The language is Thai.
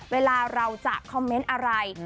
เวลาเราจะคอมเมนต์อะไร